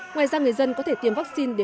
ngoài ra người dân có thể tiêm vaccine